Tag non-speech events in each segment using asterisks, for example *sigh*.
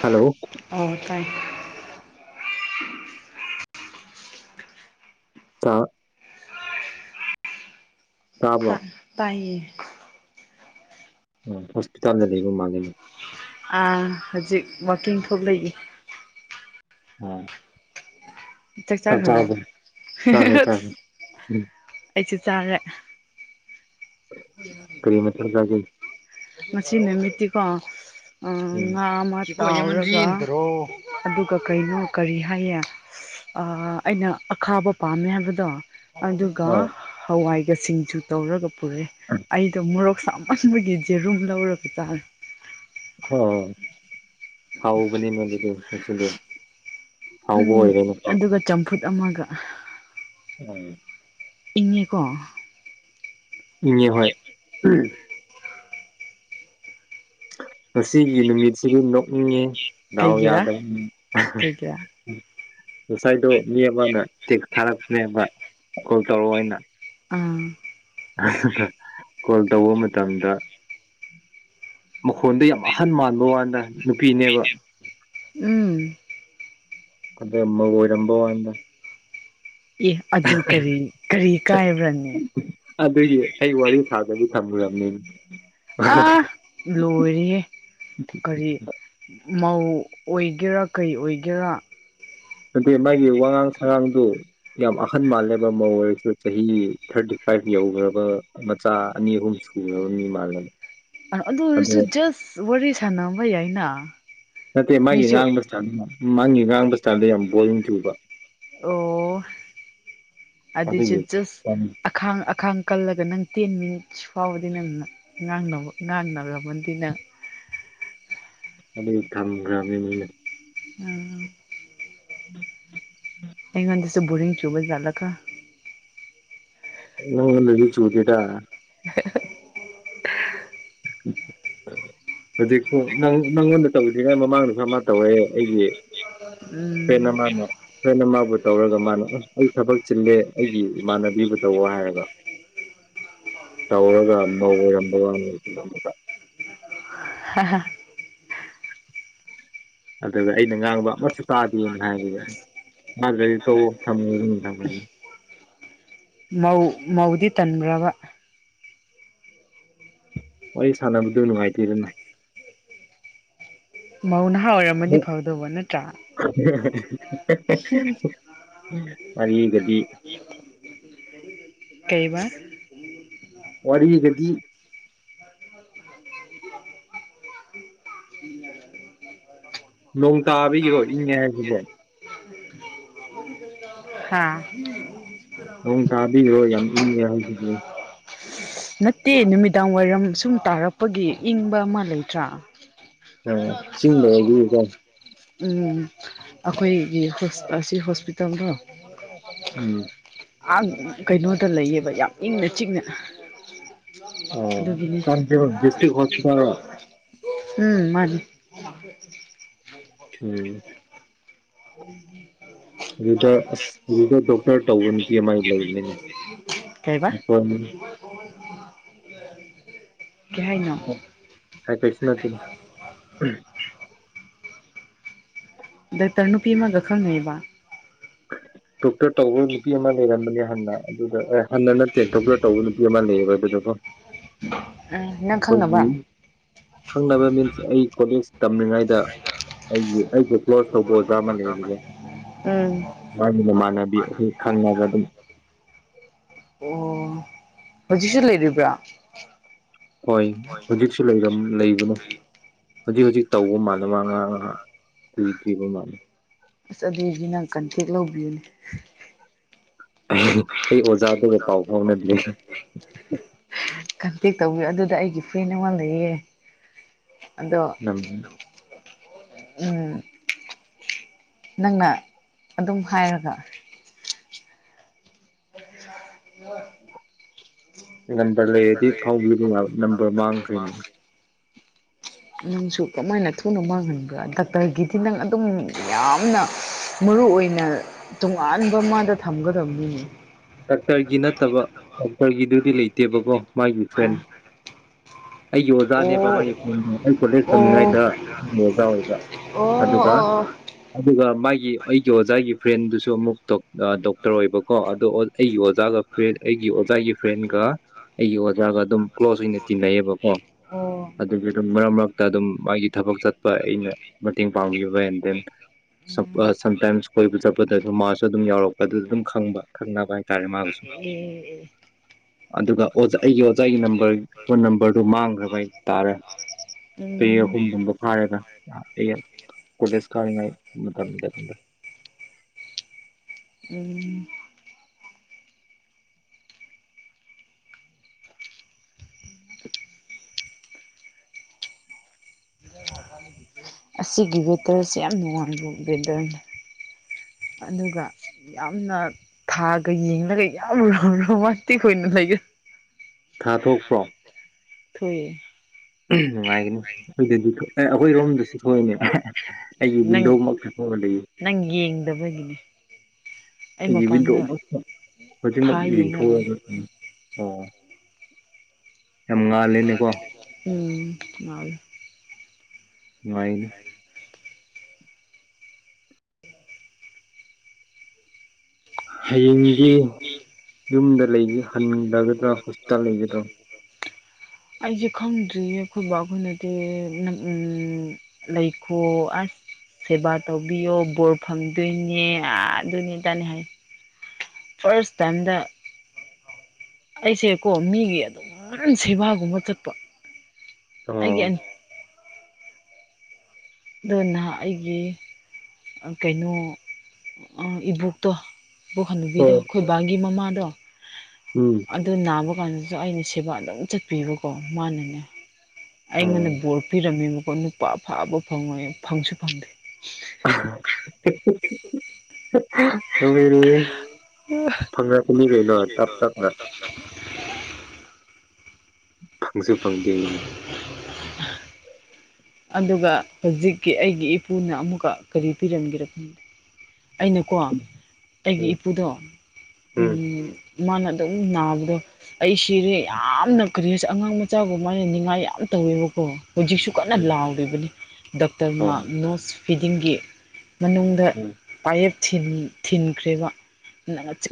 hello ꯑ ꯊꯥꯏ ꯑ ꯇꯥꯕ꯭ꯔꯣ ꯇꯌꯦ ꯍꯣꯁꯄꯤꯇꯥꯜ ꯂꯩꯕ ꯃꯥꯒꯦꯅꯦ ꯍꯧꯖꯤꯛ ꯋꯥꯀꯤꯡ ꯊꯣꯛ ꯂꯩꯦ ꯍ ꯆꯥꯛ ꯆꯥꯈ꯭ꯔꯕ ꯆꯥꯈ꯭ꯔꯦ ꯆꯥꯈ꯭ꯔꯦ ꯎꯝ ꯑꯩꯁꯨ ꯆꯥꯔꯦ ꯀꯔꯤꯃꯦ ꯊꯔ ꯆꯦ ꯉꯁꯤ ꯅꯨꯃꯤꯠꯇꯤꯀꯣ ꯎꯝ ꯉꯥ ꯔ ꯑꯗꯨꯒ ꯀꯩꯅꯣ ꯀꯔꯤ ꯍꯥꯏꯌꯦ ꯑꯩꯅ ꯈꯥꯕ ꯄꯥꯝꯃꯦ ꯍꯥꯏꯕꯗꯣ ꯑꯗꯨꯒ ꯑꯧ ꯍꯋꯥꯏꯒꯁꯤꯡꯁꯨ ꯇꯧꯔꯒ ꯄꯨꯔꯛꯦ ꯑꯩꯗ ꯃꯣꯔꯣꯛ ꯁꯥꯃꯟꯕꯒꯤ ꯔꯨꯝ ꯂꯧꯔꯔꯕ ꯇꯥꯔꯦ ꯑ ꯍꯥꯎꯕꯅꯤꯅ ꯑꯗꯨꯗꯤꯆ ꯑꯗꯨꯒ ꯆꯝꯐꯨꯠ ꯑꯃꯒ ꯎꯝ ꯏꯀꯣ ꯏ ꯍꯣꯏ ꯉꯁꯤꯒꯤ ꯅꯨꯃꯤꯠꯁꯤꯕꯨ ꯅꯣꯛꯅꯤꯡꯉꯤ ꯎ ꯀꯩꯒꯤꯔꯥ ꯌꯥꯗ ꯀꯩꯒꯤꯔꯥ ꯉꯁꯥꯏꯗꯣ ꯃꯤ ꯑꯃꯅ ꯆꯦꯛ ꯊꯥꯔꯛꯄꯅꯦꯅ ꯀꯜ ꯇꯧꯔꯑꯣ ꯑꯣꯏꯅ ꯑꯥ ꯀꯣꯜ ꯇꯧꯕ ꯃꯇꯝꯗ ꯃꯈꯣꯟꯗ ꯌꯥꯝ ꯑꯍꯟ ꯃꯥꯟꯕ ꯋꯥꯗ ꯅꯨꯄꯤꯅꯦꯕ ꯎꯝ ꯑꯗꯕꯨꯔꯝꯕ ꯋꯥꯗ ꯑꯦ ꯑꯗꯨ ꯀꯔꯤ ꯀꯔꯤ ꯀꯥꯏꯕ꯭ꯔꯅꯦ ꯑꯗꯨꯒꯤ ꯑꯩ ꯋꯥꯔꯤ ꯊꯥꯗꯕꯤ ꯊꯝꯃꯨꯔꯝꯅꯤ ꯑ ꯂꯣꯏꯔ ꯀꯔꯤ ꯃꯧ ꯑꯣꯏꯒꯦꯔꯥ ꯀꯩ ꯑꯣꯏꯒꯦꯔꯥ ꯑꯗꯨꯗꯤ ꯃꯥꯒꯤ ꯋꯥꯉꯥꯡ ꯁꯉꯥꯡꯗꯨ ꯌꯥꯝ ꯑꯈꯟ ꯃꯥꯜꯂꯦꯕ ꯃ ꯑꯣꯏꯔꯁꯨ ꯆꯍꯤ ꯊꯥꯔꯇꯤ ꯐꯥꯏꯚ ꯌꯧꯈ꯭ꯔꯕ ꯃꯆꯥ ꯑꯅꯤ ꯑꯍꯨꯝ ꯁꯨꯈ꯭ꯔꯕ ꯃꯤ ꯃꯥꯜꯂꯅꯤ ꯑꯗꯨ ꯑꯣꯏꯔꯁꯨ ꯖꯁ ꯋꯥꯔꯤ ꯁꯥꯟꯅꯕ ꯌꯥꯏꯅ ꯅꯠꯇꯦ ꯃꯥꯒꯤ ꯃꯤꯁꯨ ꯉꯥꯡꯕ ꯆꯗ ꯃꯥꯒꯤ ꯉꯥꯡꯕ ꯆꯥꯟꯗ ꯌꯥꯝ ꯕꯣꯔꯤꯡ ꯇꯨꯕ ꯑꯣ ꯑꯗꯨꯏꯁꯨ ꯑꯗꯨꯒꯤ ꯖꯁ ꯑꯈꯥꯡ ꯑꯈꯥꯡ ꯀꯜꯂꯒ ꯅꯪ ꯇꯦꯟ ꯃꯤꯅꯤꯠꯁ ꯐꯥꯎꯕꯗꯤ ꯅꯪ ꯉꯥꯡꯅꯕ ꯉꯥꯡꯔꯕꯅꯤ ꯅꯪ ꯑꯗ ꯊꯥꯡꯒ ꯎꯝ ꯎꯝ ꯑꯩꯉꯥꯟ ꯇꯁ ꯕꯨꯔꯤꯡ ꯆꯨꯕꯂ ꯀ ꯎ ꯆꯨꯀꯤꯗ *inaudible* ꯍꯧꯖꯤꯛꯁꯨ ꯅꯪꯉꯣꯟꯗ ꯇꯧꯗ꯭ꯔꯤꯉꯩ ꯃꯃꯥꯡꯗꯁꯨ ꯑꯃ ꯇꯧꯔꯦ ꯑꯩꯗꯤ ꯎꯝ ꯐ꯭ꯔꯦ ꯃꯥꯅ ꯐ꯭ꯔꯦꯟꯅ ꯃꯥꯕꯨ ꯇꯧꯔꯒ ꯃꯥꯅ ꯑꯩ ꯊꯕꯛ ꯆꯤꯜꯂꯦ ꯑꯩꯒꯤ ꯏꯃꯥꯟꯅꯕꯤꯕꯨ ꯇꯧꯋ ꯍꯥꯏꯔꯒ ꯇꯧꯔꯒꯧꯔꯝꯕ ꯋꯥ *inaudible* ꯑꯗꯨꯗ ꯑꯩꯅ ꯉꯥꯡꯕ ꯑꯃꯁꯨ ꯇꯥꯗꯦꯅ ꯍꯥꯏꯈꯤꯅꯤ ꯃꯥꯖꯔꯤ ꯇ ꯊ ꯊ ꯃꯧꯗꯤ ꯇꯟꯕ꯭ꯔꯕ ꯍꯣꯏ ꯁꯥꯟꯅꯕꯗꯨꯣ ꯅꯨꯡꯉꯥꯏꯇꯦꯗꯅ ꯃꯧ ꯅꯍꯥ ꯑꯣꯏꯔꯝꯃꯗꯤ ꯐꯥꯎꯗꯧꯕ ꯅꯠꯇ꯭ꯔꯥ ꯎꯝ ꯑꯅꯤꯒꯗꯤ ꯀꯩꯕ ꯋꯥꯔꯤꯒꯗꯤ ꯅꯣꯡ ꯇꯥꯕꯤꯒꯤꯔꯣ ꯏꯪꯉꯦ ꯍꯥꯏꯁꯤꯕꯣ ꯍꯥꯥ ꯅꯪ ꯇꯥꯕꯤꯔꯣ ꯌꯥꯝ ꯏꯪꯉꯦ ꯍꯥꯏꯁꯤꯒꯦ ꯅꯠꯇꯦ ꯅꯨꯃꯤꯗꯥꯡ ꯋꯥꯏꯔꯝ ꯁꯨꯝ ꯇꯥꯔꯛꯄꯒꯤ ꯏꯪꯕ ꯑꯃ ꯂꯩꯇ꯭ꯔꯥ ꯑ ꯆꯤꯡꯗꯗꯤꯀꯣ ꯎꯝ ꯑꯩꯈꯣꯏꯒꯤ ꯑꯁꯤ ꯍꯣꯁꯄꯤꯇꯥꯜꯗꯣ ꯎꯝ ꯀꯩꯅꯣꯗ ꯂꯩꯌꯦꯕ ꯌꯥꯝ ꯏꯪꯅ ꯆꯤꯛꯅ ꯑꯥ ꯑꯗꯨꯒꯤꯅꯦ ꯆꯥꯟꯗꯦꯜ ꯗꯤꯁꯇ꯭ꯔꯤꯛ ꯍꯣꯁꯄꯤꯇꯥꯜꯔꯣ ꯎꯝ ꯃꯥꯅꯤ ꯑꯣ ꯎꯝ ꯑꯗꯨꯗ ꯑꯁ ꯑꯗꯨꯗ ꯗꯣꯛꯇꯔ ꯇꯧꯕ ꯅꯨꯄꯤ ꯑꯃꯥꯏ ꯂꯩꯕꯅꯤꯅꯦ ꯀꯩꯕ ꯑꯩꯈꯣꯏ ꯌꯥꯥꯏꯅ ꯀꯥꯏ ꯀꯩꯁ ꯅꯇꯅ ꯇꯔꯅꯨꯄꯤ ꯑꯃ ꯈꯪꯕ *inaudible* ꯗꯣꯛꯇꯔ ꯇꯧꯕ ꯅꯨꯄꯤ ꯑꯃ ꯂꯩꯔꯝꯕꯅꯦ ꯍꯟꯅ ꯑꯗꯨꯗ ꯑꯦ ꯍꯟꯅ ꯅꯠꯇꯦ ꯗꯣꯛꯇꯔ ꯇꯧꯕ ꯅꯨꯄꯤ ꯑꯃ ꯂꯩꯌꯦꯕ ꯑꯗꯨꯗ ꯎꯝ ꯅꯪ ꯑꯩꯈꯣꯏꯒꯤ ꯈꯪꯅꯕ ꯈꯪꯅꯕ ꯃꯤꯟꯁ ꯑꯩ ꯀꯣꯂꯦꯖ ꯇꯝꯂꯤꯉꯩꯗ ꯑꯩꯒꯤ ꯑꯩꯁꯦ ꯀ꯭ꯂꯣꯔ ꯇꯧꯕ ꯑꯣꯖꯥ ꯑꯃꯅꯦ ꯍꯧꯦ ꯎꯝ ꯃꯥꯒꯤ ꯃꯃꯥꯟꯅꯕꯤ ꯑꯩꯣꯏ ꯈꯪꯉꯒ ꯑꯗꯨꯝ ꯑꯣ ꯍꯧꯖꯤꯛꯁꯨ ꯂꯩꯔꯤꯕ꯭ꯔꯥ ꯍꯣꯏ ꯍꯧꯖꯤꯛꯁꯨ ꯂꯩꯕꯅꯣ ꯍꯧꯖꯤꯛ ꯍꯧꯖꯤꯛ ꯇꯧꯕ ꯃꯥꯜ ꯃꯥ ꯉꯥꯏꯍꯥꯛ ꯉꯥꯏꯍꯥꯛ ꯀꯨꯏ ꯊꯨꯕ ꯃꯥꯜꯂ ꯑꯁ ꯑꯗꯨꯖꯤ ꯅꯪ ꯀꯟꯊꯦꯛ ꯂꯧꯕꯤꯌꯨꯅꯦ ꯑꯩ ꯑꯣꯖꯥꯗꯨꯒ ꯄꯥꯎ ꯐꯥꯎꯅꯗ꯭ꯔꯤ ꯀꯟꯇꯦꯛ ꯇꯧꯕꯤꯌꯨ ꯑꯗꯨꯗ ꯑꯩꯒꯤ ꯐ꯭ꯔꯦꯟ ꯑꯃ ꯂꯩꯌꯦꯦ ꯎꯝ ꯎꯝ ꯅꯪꯅ ꯑꯗꯨꯝ ꯍꯥꯏꯔꯒ ꯅꯝꯕꯔ ꯂꯩꯔꯗꯤ ꯐꯥꯎꯕꯤꯔꯤ ꯅꯝꯕꯔ ꯃꯥꯡꯈ꯭ꯔꯦꯅꯦ ꯅꯪꯁꯨ ꯀꯃꯥꯏꯅ ꯊꯨꯅ ꯃꯥꯡꯍꯟꯕꯥ ꯗꯥꯛꯇꯔꯒꯤꯗꯤ ꯅꯪ ꯑꯗꯨꯝ ꯌꯥꯝꯅ ꯃꯔꯨ ꯃꯔꯨ ꯑꯣꯏꯅ ꯇꯣꯉꯥꯟꯕ ꯃꯥꯗ ꯊꯝꯒꯗꯕꯅꯤꯅꯦ ꯗꯥꯛꯇꯔꯒꯤ ꯅꯠꯇꯕ ꯗꯥꯛꯇꯔꯒꯤꯗꯨꯗꯤ ꯂꯩꯇꯦꯕꯀꯣ ꯃꯥꯒꯤ ꯐ꯭ꯔꯦꯟ ꯑ ꯑꯩꯒꯤ ꯑꯣꯖꯥꯅꯦꯕ ꯑꯣ ꯃꯥꯒꯤ ꯑꯩ ꯀꯣꯂꯦꯖ ꯑꯣ ꯇꯝꯃꯤꯉꯩꯗ ꯑꯩꯒꯤ ꯑꯣꯖꯥ ꯑꯣꯏꯕ ꯑꯗꯨꯒ ꯍ ꯑꯗꯨꯒ ꯃꯥꯒꯤ ꯑꯩꯒꯤ ꯑꯣꯖꯥꯒꯤ ꯐ꯭ꯔꯦꯟꯗꯨꯁꯨ ꯑꯃꯨꯛ ꯗꯣꯛꯇꯔ ꯑꯣꯏꯕꯀꯣ ꯑꯗꯣ ꯑꯩꯒꯤ ꯑꯣꯖꯥꯒ ꯐ꯭ꯔꯦꯟ ꯑꯩꯒꯤ ꯑꯣꯖꯥꯒꯤ ꯐ꯭ꯔꯦꯟꯒ ꯑꯩꯒꯤ ꯑꯣꯖꯥꯒ ꯑꯗꯨꯝ ꯀ꯭ꯂꯣꯖ ꯑꯣꯏꯅ ꯇꯤꯟꯅꯩꯕꯀꯣ ꯑꯣ ꯑꯗꯨꯒꯤ ꯑꯗꯨꯝ ꯃꯔꯛ ꯃꯔꯛꯇ ꯑꯗꯨꯝ ꯃꯥꯒꯤ ꯊꯕꯛ ꯆꯠꯄ ꯑꯩꯅ ꯃꯇꯦꯡ ꯄꯥꯡꯕꯤꯕ ꯑꯦꯟ ꯗꯦꯟ ꯎꯝ ꯁꯝꯇꯥꯏꯝꯁ ꯀꯣꯏꯕ ꯆꯠꯄꯗ ꯑꯗꯨ ꯃꯥꯁꯨ ꯑꯗꯨꯝ ꯌꯥꯎꯔꯛꯄ ꯑꯗꯨꯗ ꯑꯗꯨꯝ ꯈꯪꯕ ꯈꯪꯅꯕ ꯍꯥꯏꯔꯦ ꯎꯝ ꯎꯝ ꯑꯗꯨꯒ ꯑꯩꯒꯤ ꯑꯣꯖꯥꯒꯤ ꯅꯝꯕꯔ ꯐꯣꯟ ꯅꯝꯕꯔꯗꯨ ꯃꯥꯡꯈ꯭ꯔꯕ ꯍꯥꯏ ꯇꯥꯔꯦ ꯄꯦ ꯎꯝ ꯑꯍꯨꯝꯒꯨꯝꯕ ꯐꯥꯔꯒ ꯈꯨꯗꯦꯁ ꯀꯥ ꯎꯝ ꯑꯁꯤꯒꯤ ꯋꯦꯗꯔꯁꯤ ꯌꯥꯝ ꯅꯨꯡꯉꯡꯕ ꯋꯦꯗꯔꯅꯤ ꯑꯗꯨꯒ ꯌꯥꯝꯅ ꯊꯥꯒ ꯌꯦꯡꯂꯒ ꯌꯥꯝ ꯔ ꯔꯣꯃꯇꯤ ꯑꯣꯏꯅ ꯂꯩꯒ ꯊꯥꯊꯣꯛꯄ꯭ꯔꯣ ꯊꯑ ꯅꯨꯡꯉꯥꯏꯒꯅꯤ ꯑꯩꯈꯣꯏꯗꯤ ꯑꯩꯈꯣꯏꯔꯣꯝꯗꯁꯨ ꯊꯣꯛꯑꯏꯅꯦ ꯑꯩ ꯅꯪ ꯌꯨꯕꯤꯟꯗ ꯈꯩ ꯂꯩ ꯅꯪ ꯌꯦꯡꯗꯕꯒꯤꯅꯦ ꯑꯩ ꯑꯩꯒꯤ ꯚꯤꯟꯗꯣ ꯃꯄꯥꯟꯗ ꯑꯃ ꯍꯧꯖꯤꯛꯃꯛ ꯊꯥ ꯌꯦꯡꯉ ꯂꯩ ꯌꯦꯡꯊꯣꯛꯑꯒ ꯑꯣ ꯌꯥꯝ ꯉꯥꯜꯂꯦꯅꯦꯀꯣ ꯎꯝ ꯃꯥ ꯉꯅ ꯍꯌꯦꯡꯗꯤ ꯌꯨꯝꯗ ꯂꯩ ꯍꯟꯂꯒꯗ꯭ꯔꯥ ꯍꯣꯁꯄꯤꯇꯥꯜ ꯂꯩꯒꯗ꯭ꯔꯥ ꯑꯩꯁꯦ ꯈꯪꯗ꯭ꯔꯤꯌꯦ ꯑꯩꯈꯣꯏꯕ ꯑꯩꯈꯣꯏꯅꯗꯤ ꯂꯩꯈꯣ ꯑꯁ ꯁꯦꯕꯥ ꯇꯧꯕꯤꯌꯣ ꯕꯣꯔ ꯐꯗꯣꯏꯅꯦ ꯑꯥ ꯑꯗꯨꯏꯅꯦ ꯇꯅꯤ ꯍꯥꯏ ꯐꯥꯔꯁ ꯇꯥꯏꯝꯗ ꯑꯩꯁꯦꯀꯣ ꯃꯤꯒꯤ ꯑꯗꯨꯃꯥꯟ ꯁꯦꯕꯥꯒꯨꯝꯕ ꯆꯠꯄ ꯑꯣ ꯑꯩꯦ ꯑꯗꯨ ꯅꯍꯥꯛ ꯑꯩꯒꯤ ꯀꯩꯅꯣ ꯏꯕꯣꯛꯇꯣ ꯏꯕꯣꯛ ꯍꯟꯅꯕꯤꯗꯣ ꯑꯣ ꯑꯩꯈꯣꯏꯕꯥ ꯃꯃ ꯅꯥ ꯎꯝ ꯑꯗꯨ ꯀꯥꯟꯁꯨ ꯑꯩꯅ ꯁꯦꯕꯥ ꯑꯗꯨꯝ ꯆꯠꯄꯤꯕꯀꯣ ꯃꯥꯅꯅꯦ ꯑꯩꯉꯣꯟꯗ ꯑꯣ ꯕꯣꯔ ꯄꯤꯔꯝꯃꯦꯕꯀꯣ ꯅꯨꯄꯥ ꯐꯥꯕ ꯐꯪꯉꯣꯏ ꯐꯪꯁꯨ ꯐꯪꯗꯦ *inaudible* ꯇꯧꯔꯤꯔꯤ ꯐꯪꯉꯛꯄꯅꯤ ꯀꯩꯅꯣ ꯇꯞ ꯇꯞꯅ *inaudible* ꯐꯪꯁꯨ ꯐꯪꯗꯤ ꯑꯗꯨꯒ ꯍꯧꯖꯤꯛꯀꯤ ꯑꯩꯒꯤ ꯏꯄꯨꯅ ꯑꯃꯨꯛꯀ ꯀꯔꯤ ꯄꯤꯔꯝꯒꯦꯔꯛꯄꯗꯣ ꯑꯩꯅꯀꯣ ꯑꯩꯒꯤ ꯎꯝ ꯏꯄꯨꯗꯣ ꯎꯝ ꯃꯥꯅ ꯑꯗꯨꯝ ꯅꯥꯕꯗꯣ ꯑꯩ ꯁꯤꯔꯦ ꯌꯥꯝꯅ ꯀꯔꯤꯁꯦ ꯑꯉꯥꯡ ꯃꯆꯥꯒ ꯃꯥꯅ ꯅꯤꯡꯉꯥꯏ ꯌꯥꯝ ꯇ ꯇꯧ ꯉꯤꯕꯀꯣ ꯍꯧꯖꯤꯛꯁꯨ ꯀꯟꯅ ꯎꯝ ꯂꯥꯎꯔꯤꯕꯅꯤ ꯑꯣ ꯗꯣꯛꯇꯔꯅ ꯎꯝ ꯅꯣꯁ ꯐꯤꯗꯤꯡꯒꯤ ꯃꯅꯨꯡꯗ ꯊꯤꯟꯈ꯭ꯔꯦꯕꯪ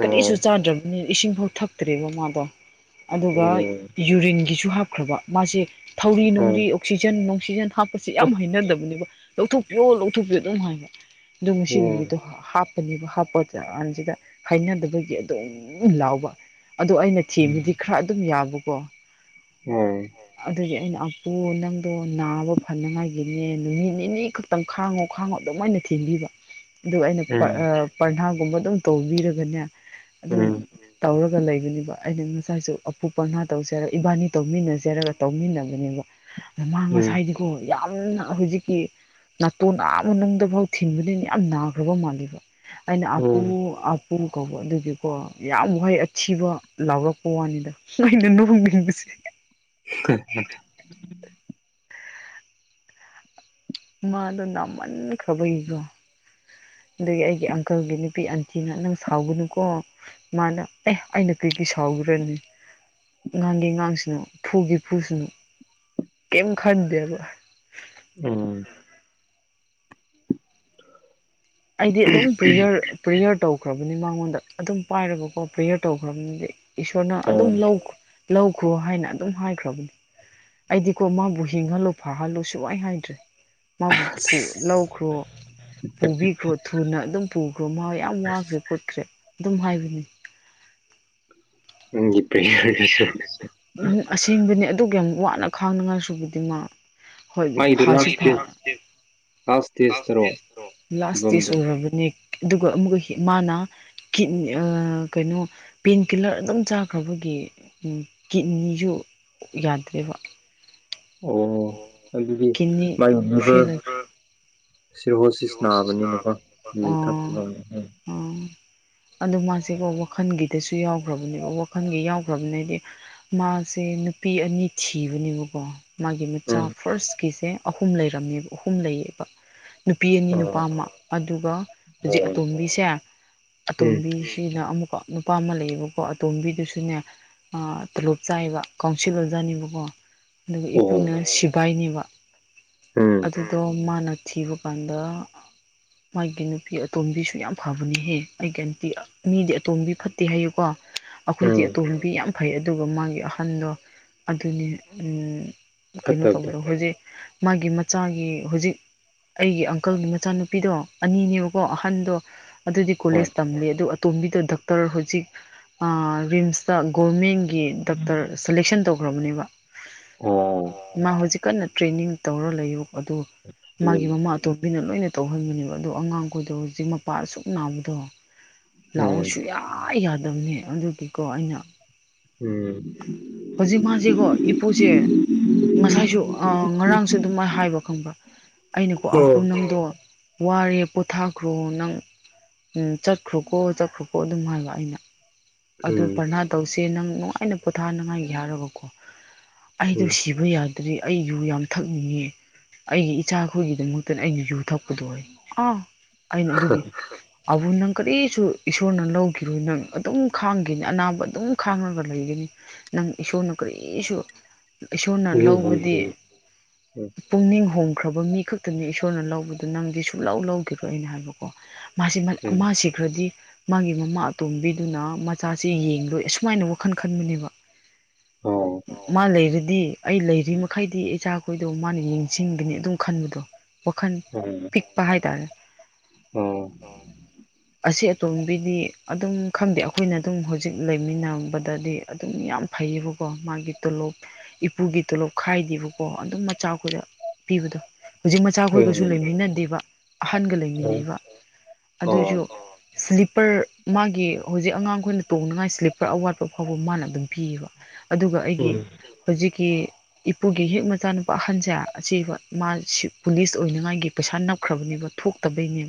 ꯑꯣ ꯆꯥꯗ꯭ꯔꯕꯅꯤꯅ ꯏꯁꯤꯡꯐꯥꯎ ꯊꯛꯇ꯭ꯔꯦꯕ ꯃꯥꯗꯣ ꯑꯗꯨꯒ ꯎꯝ ꯌꯨꯔꯤꯟꯒꯤꯁꯨ ꯍꯥꯞꯈ꯭ꯔꯕ ꯃꯥꯁꯦ ꯊꯧꯔꯤ ꯑꯣ ꯅꯨꯡꯔꯤ ꯑꯣꯛꯁꯤꯖꯦꯟ ꯅꯨꯡꯁꯤꯖꯟ ꯍꯥꯞꯄꯁ ꯌꯥꯝ ꯍꯩꯅꯗꯕꯅꯦꯕ ꯂꯧꯊꯣꯛꯄꯤꯌꯣ ꯂꯧꯊꯣꯛꯄꯤꯌꯣ ꯑꯗꯨꯝ ꯍꯥꯏꯕ ꯑꯣ ꯉꯁꯤ ꯅꯨꯃꯤꯠꯇ ꯎꯝ ꯍꯥꯞꯄꯅꯦꯕ ꯍꯥꯞꯄ ꯀꯥꯟꯁꯤꯗ ꯍꯩꯅꯗꯕꯒꯤ ꯑꯗꯨꯝ ꯂꯥꯎꯕ ꯑꯗꯣ ꯑꯩꯅ ꯎꯝ ꯊꯦꯝꯕꯗꯤ ꯈꯔ ꯑꯗꯨꯝ ꯌꯥꯕꯀꯣ ꯑꯗꯨꯒꯤ ꯑꯩꯅ ꯑꯄꯨꯅ ꯥꯡꯗꯣ ꯅꯥꯕ ꯐꯅꯉꯥꯏꯒꯤꯅꯦ ꯅꯨꯃꯤꯠ ꯅꯤꯅꯤ ꯈꯛꯇꯪ ꯈꯥꯡꯉꯣ ꯈꯥꯡꯉꯣ ꯑꯗꯨꯝꯅ ꯊꯤꯟꯕꯤꯕ ꯑꯗꯨꯒ ꯑꯩꯅ ꯎꯝ ꯎꯝ ꯄꯔꯅꯥꯒꯨꯝꯕ ꯑꯗꯨꯝ ꯇꯧꯕꯤꯔꯒꯅꯦ ꯑꯗꯨꯝ ꯎꯝ ꯇꯧꯔꯒ ꯂꯩꯕꯅꯦꯕ ꯑꯩꯅ ꯉꯁꯥꯏꯁꯨ ꯑꯄꯨ ꯄꯅꯥ ꯇꯧꯖꯦꯔꯒ ꯏꯕꯥꯅꯤ ꯇꯧꯃꯤꯟꯅꯖꯦꯔꯒ ꯇꯧꯃꯤꯟꯅꯕꯅꯦꯕ ꯃꯃꯥꯡ ꯎꯝ ꯃꯁꯥꯏꯗꯨꯀꯣ ꯌꯥꯝꯅ ꯍꯧꯖꯤꯛꯀꯤ ꯅꯥꯇꯣꯟ ꯅꯥ ꯑꯃ ꯅꯪꯗꯐꯥꯎ ꯊꯤꯟꯕꯅꯤꯅ ꯌꯥꯝ ꯅꯥꯈ꯭ꯔꯕ ꯃꯥꯜꯂꯤꯕ ꯑꯩꯅ ꯑꯄꯨ ꯎꯝ ꯄꯨꯨ ꯀꯧꯕ ꯑꯗꯨꯒꯤꯀꯣ ꯌꯥꯝ ꯋꯥꯍꯩ ꯑꯊꯤꯕ ꯂꯥꯎꯔꯛꯄ ꯋꯥꯅꯤꯗ ꯑꯩꯅ ꯂꯨꯍꯣꯡꯅꯤꯡꯕꯁꯦ ꯈꯔꯦ ꯐꯔꯦ ꯃꯥꯗ ꯅꯃꯟ ꯈꯕꯩꯁꯨꯣ ꯑꯗꯨꯗꯒꯤ ꯑꯩꯒꯤ ꯑꯪꯀꯜꯒꯤ ꯅꯨꯄꯤ ꯑꯟꯇꯤꯅ ꯅꯪ ꯁꯥꯎꯒꯅꯨꯀꯣ ꯃꯥꯅ ꯑꯦ ꯑꯩꯅ ꯀ ꯗꯤ ꯁꯥꯎꯈ꯭ꯔꯅꯤ ꯉꯥꯡꯒꯤꯦ ꯉꯥꯡꯁꯤꯅꯨ ꯐꯨꯒꯤ ꯐꯨꯁꯤꯅꯨ ꯀꯦꯝ ꯈꯔꯗꯦꯕ ꯎꯝ ꯑꯩꯗꯤ ꯑꯗꯨꯝ ꯄ꯭ꯦ ꯄ꯭ꯦꯌꯔ ꯇꯧ ꯇꯈ꯭ꯔꯕꯅꯤ ꯃꯉꯣꯟꯗ ꯑꯗꯨꯝ ꯄꯥꯏꯔꯕꯀꯣ ꯄ꯭ꯔꯦꯌꯔ ꯇꯧꯈ꯭ꯔꯕꯅꯤꯗꯤ ꯏꯁꯣꯔꯅ ꯑꯗꯨꯝ ꯑꯣ ꯂꯧꯈ꯭ꯔ ꯂꯧꯈ꯭ꯔꯣ ꯍꯥꯏꯅ ꯑꯗꯨꯝ ꯍꯥꯏꯈ꯭ꯔꯕꯅꯤ ꯑꯩꯗꯤꯀꯣ ꯃꯥꯕꯨ ꯍꯤꯡꯍꯜꯂꯨ ꯐꯥꯍꯜꯂꯨ ꯁꯨꯃꯥꯏꯅ ꯍꯥꯏꯗ꯭ꯔꯦ ꯃꯥꯕꯨ ꯑꯁ ꯂꯧꯈ꯭ꯔꯣ ꯄꯨꯕꯤꯈ꯭ꯔꯣ ꯊꯨꯅ ꯑꯗꯨꯝ ꯄꯨ ꯃꯍ ꯌꯥꯝ ꯋꯥꯈ꯭ꯔꯦ ꯈꯠꯈ꯭ꯔꯦ ꯑꯗꯨꯝ ꯍꯥꯏꯕꯅꯤ ꯅꯪꯒꯤ ꯄ꯭ꯔꯦꯌꯔꯗꯨꯁꯨ ꯎꯝ ꯑꯁꯦꯡꯕꯅꯤ ꯑꯗꯨ ꯌꯥꯝ ꯋꯥꯅ ꯈꯥꯡꯅꯉꯥꯏꯁꯨꯨꯕꯗꯤ ꯃꯥ ꯍꯣꯏ ꯃꯥꯒꯤꯗꯨ ꯐꯁꯨ ꯂꯥꯁ ꯐꯥ ꯁꯇꯦꯖ ꯂꯥꯁ ꯁꯇꯦꯖꯇꯔꯣ ꯂꯥꯁ ꯗꯦꯁ ꯐꯤꯕꯝꯗꯣ ꯎꯅꯕ ꯑꯗꯨꯒ ꯑꯃꯨ ꯃꯥꯅꯤ ꯀꯩꯅꯣ ꯄꯦꯟ ꯀꯤꯂꯔ ꯑꯗꯨꯝ ꯆꯥꯛ ꯑꯩꯈꯣꯏꯒꯤ ꯀꯤꯠꯅꯤꯁꯨ ꯌꯥꯗ꯭ꯔꯦꯕ ꯑꯣ ꯑꯗꯨꯗꯤ ꯀꯅꯤ ꯃꯥꯒꯤ ꯐ ꯂꯤꯚꯔ ꯁꯤꯔꯍꯣꯁꯤꯁ ꯁꯤꯁꯤ ꯅꯥꯕꯅꯤꯅꯀꯣ ꯌꯨ ꯊꯛꯄꯒ ꯎꯝ ꯑꯗꯣ ꯃꯥꯁꯤꯀꯣ ꯋꯥꯈꯜꯒꯤꯗꯁꯨ ꯌꯥꯎꯈ꯭ꯔꯕꯅꯦꯕ ꯋꯥꯈꯜꯒꯤ ꯌꯥꯎꯈ꯭ꯔꯕꯅꯦ ꯍꯥꯏꯗꯤ ꯃꯥꯁꯦ ꯑ ꯅꯨꯄꯤ ꯑꯅꯤ ꯊꯤꯕꯅꯦꯕꯀꯣ ꯃꯥꯒꯤ ꯃꯆꯥ ꯎꯝ ꯐꯥꯔꯁꯀꯤꯁꯦ ꯑꯍꯨꯝ ꯂꯩꯔꯝꯃꯦꯕ ꯑꯍꯨꯝ ꯂꯩꯌꯦꯕ ꯅꯨꯄꯤ ꯑꯅꯤ ꯅꯨꯄꯥ ꯑꯣ ꯑꯃ ꯑꯗꯨꯒ ꯍꯧꯖꯤꯛ ꯑꯣ ꯑꯇꯣꯝꯕꯤꯁꯦ ꯎꯝ ꯑꯇꯣꯝꯕꯤ ꯁꯤꯅ ꯑꯃꯨꯛ ꯀ ꯅꯨꯄꯥ ꯑꯃ ꯂꯩꯌꯦꯕꯀꯣ ꯑꯇꯣꯝꯕꯤꯗꯨꯁꯨꯅꯦ ꯇꯣꯂꯣꯞ ꯆꯥꯏꯕ ꯀꯥꯎꯟꯁꯤꯜ ꯑꯣꯖꯥꯠꯅꯤꯕꯀꯣ ꯑꯗꯨꯒ ꯏꯄꯨꯅ ꯑꯣ ꯁꯤꯕꯥꯏꯅꯦꯕ ꯎꯝ ꯑꯗꯨꯗꯣ ꯃꯥꯅ ꯊꯤꯕ ꯀꯥꯟꯗ ꯃꯥꯒꯤ ꯅꯨꯄꯤ ꯑꯇꯣꯝꯕꯤꯁꯨ ꯌꯥꯝ ꯐꯕꯅꯦꯍꯦ ꯑꯩꯒꯤ ꯑꯟꯇꯤ ꯃꯤꯗꯤ ꯑꯇꯣꯝꯕꯤ ꯐꯠꯇꯦ ꯍꯥꯏꯌꯨꯀꯣ ꯑꯩꯈꯣꯏꯗꯤ ꯎꯝ ꯑꯇꯣꯝꯕꯤ ꯌꯥꯝ ꯐꯩ ꯑꯗꯨꯒ ꯃꯥꯒꯤ ꯑꯍꯟꯗꯣ ꯑꯗꯨꯅꯤ ꯀꯩꯅꯣ ꯐꯠꯇꯕꯗꯣ ꯇꯧꯕꯗꯣ ꯍꯧꯖꯤꯛ ꯃꯥꯒꯤ ꯃꯆꯥꯒꯤ ꯍꯧꯖꯤꯛ ꯑꯩꯒꯤ ꯑꯪꯀꯜꯒꯤ ꯃꯆꯥꯅꯨꯄꯤꯗꯣ ꯑꯅꯤꯅꯦꯕꯀꯣ ꯑꯍꯟꯗꯣ ꯑꯗꯨꯗꯤ ꯍꯣꯏ ꯀꯣꯂꯦꯖ ꯇꯝꯂꯦ ꯑꯗꯨ ꯇꯣꯝꯕꯤꯗ ꯗꯣꯛꯇꯔ ꯍꯧꯖꯤꯛ ꯔꯤꯝꯁꯇ ꯒꯣꯣꯔꯃꯦꯟꯒꯤ ꯗꯣꯛꯇꯔ ꯁꯦꯂꯦꯛꯁꯟ ꯇꯧ ꯭ꯔꯣꯅꯤꯕ ꯑ ꯀꯟꯅ ꯇ꯭ꯔꯦꯅꯤꯡ ꯇꯧꯔ ꯂꯩꯌꯣ ꯑꯗꯣ ꯃꯥꯒꯤ ꯎꯝ ꯃꯃꯥ ꯑꯇꯣꯕꯤꯅ ꯂꯣꯏꯅ ꯇꯧꯍꯟꯕꯅꯦꯕ ꯑꯗꯣ ꯑꯉꯥꯡꯈꯣꯏꯗꯣ ꯍꯧꯖꯤꯛ ꯃꯄꯥ ꯑꯁꯨꯛ ꯅꯥꯕꯗꯣ ꯂꯥꯛꯑꯣ ꯎꯝ ꯁꯨꯡꯌꯥ ꯌꯥꯗꯕꯅꯦ ꯑꯗꯨꯒꯤꯀꯣ ꯑꯩꯅ ꯎꯝ ꯍꯧꯖꯤꯛ ꯃꯥꯁꯤꯀꯣ ꯏꯄꯨꯁꯦ ꯉꯁꯥꯏꯁꯨ ꯉꯔꯥꯡꯁꯨ ꯑꯗꯨꯝꯥꯏ ꯍꯥꯏꯕ ꯈꯪꯕ ꯑꯩꯅꯀꯣ ꯑꯣ ꯄꯅꯗꯣ ꯋꯥꯔꯦ ꯄꯣꯊꯥꯈ꯭ꯔꯣ ꯅꯪ ꯎꯝ ꯆꯠꯈ꯭ꯔꯣꯀꯣ ꯆꯠꯈ꯭ꯔꯣꯀꯣ ꯑꯗꯨꯝ ꯍꯥꯏꯕ ꯑꯩꯅ ꯑꯗꯨ ꯎꯝ ꯄꯕꯔꯅꯥ ꯇꯧꯁꯦ ꯅꯪ ꯅꯨꯡꯉꯥꯏꯅ ꯄꯣꯊꯥꯅꯉꯥꯏꯒꯤ ꯍꯥꯏꯔꯕꯀꯣ ꯎꯝ ꯑꯩꯗꯣ ꯎꯝ ꯁꯤꯕ ꯌꯥꯗ꯭ꯔꯤ ꯑꯩ ꯌꯨ ꯌꯥꯝ ꯊꯛꯅꯤꯡꯉꯤ ꯑꯩꯒꯤ ꯏꯆꯥꯈꯣꯏꯒꯤꯗꯃꯛꯇꯅ ꯑꯩꯅ ꯌꯖꯨ ꯊꯛꯄꯗꯣ ꯑꯣꯏ ꯑꯥ ꯑꯩꯅ ꯑꯗꯨꯒꯤ ꯑꯕꯨ ꯅꯪ ꯀꯔꯤꯁꯨ ꯏꯁꯣꯔꯅ ꯂꯧꯈꯤꯔꯣ ꯅꯪ ꯑꯗꯨꯝ ꯈꯥꯡꯒꯦꯅꯤ ꯑꯅꯥꯕ ꯑꯗꯨꯝ ꯈꯥꯡꯉꯒ ꯂꯩꯒꯅꯤ ꯅꯪ ꯏꯁꯣꯔꯅ ꯀꯔꯤꯁꯨ ꯏꯁꯣꯔꯅ ꯎꯝ ꯂꯧꯕꯗꯤ ꯄꯨꯛꯅꯤꯡ ꯍ ꯎꯈ꯭ꯔꯕ ꯃꯤ ꯈꯛꯇꯅꯤ ꯏꯁꯣꯔꯅ ꯂꯧꯕꯗꯣ ꯅꯪꯗꯤ ꯁꯨꯡꯂꯧ ꯂꯧꯈꯤꯔꯣ ꯑꯅ ꯍꯥꯏꯕꯀꯣ ꯃꯥꯁꯤ ꯃꯥ ꯁꯤꯈ꯭ꯔꯗꯤ ꯃꯥꯒꯤ ꯃꯃꯥ ꯑꯇꯣꯝꯕꯤꯗꯨꯅ ꯃꯆꯥꯁꯤ ꯌꯦꯡꯂꯣꯏ ꯑꯁꯨꯃꯥꯏꯅ ꯋꯥꯈꯜ ꯈꯟꯕꯅꯦꯕ ꯑꯣ ꯃꯥ ꯂꯩꯔꯗꯤ ꯑꯩ ꯂꯩꯔꯤ ꯃꯈꯩꯗꯤ ꯏꯆꯥꯈꯣꯏꯗꯣ ꯃꯥꯅ ꯌꯦꯡꯁꯤꯡꯟꯕꯅꯦꯅ ꯑꯗꯨꯝ ꯈꯟꯕꯗꯣ ꯋꯥꯈꯜ ꯑꯣ ꯄꯤꯛꯄ ꯍꯥꯏꯇꯥꯔꯦ ꯑꯣ ꯑꯁꯤ ꯑꯇꯣꯝꯕꯤꯗꯤ ꯑꯗꯨꯝ ꯈꯪꯗꯦ ꯑꯩꯈꯣꯏꯅ ꯑꯗꯨꯝ ꯍꯧꯖꯤꯛ ꯂꯩꯃꯤꯟꯅꯕꯗꯗꯤ ꯑꯗꯨꯝ ꯌꯥꯝ ꯐꯩ ꯂꯩꯩꯌꯦꯕꯀꯣ ꯃꯥꯒꯤ ꯇꯣꯂꯣꯞ ꯏꯄꯨꯒꯤ ꯇꯣꯂꯣꯞ ꯈꯥꯏꯗꯦꯕꯀꯣ ꯑꯗꯨꯝ ꯃꯆꯥꯈꯗ ꯄꯤꯕꯗꯣ ꯍꯧꯖꯤꯛ ꯃꯆꯥꯈꯣꯏꯒꯁꯨ ꯎꯝ ꯂꯩꯃꯤꯟꯅꯗꯦꯕ ꯑꯍꯟꯒ ꯑꯣ ꯂꯩꯃꯤꯟꯅꯩꯕ ꯑꯣ ꯑꯗꯨꯁꯨ ꯁꯂꯤꯞ ꯄꯔ ꯃꯥꯒꯤ ꯍꯧꯖꯤꯛ ꯑꯉꯥꯡꯈꯣꯏꯅ ꯇꯣꯡꯅꯉꯥꯏ ꯁ꯭ꯂꯤꯞꯄꯔ ꯑꯋꯥꯠꯄ ꯐꯥꯎꯕ ꯃꯥꯅ ꯑꯗꯨꯝ ꯄꯤꯌꯦꯕ ꯑꯗꯨꯒ ꯎꯝ ꯑꯩꯒꯤ ꯍꯧꯖꯤꯛꯀꯤ ꯏꯄꯨꯒꯤ ꯍꯦꯛ ꯃꯆꯥꯅꯨꯄꯥ ꯑꯍꯟꯁꯦ ꯑꯁꯤ ꯍ ꯃꯥ ꯁꯤ ꯄꯨꯂꯤꯁ ꯑꯣꯏꯅꯉꯥꯏꯒꯤ ꯄꯩꯁꯥ ꯅꯞꯈ꯭ꯔꯕꯅꯦꯕ ꯊꯣꯛꯇꯕꯩꯅꯦꯕ